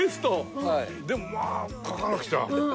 でもまあ描かなくちゃ。